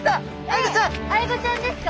アイゴちゃんですか？